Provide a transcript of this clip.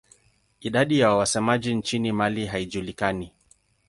Idadi ya wasemaji nchini Mali haijulikani.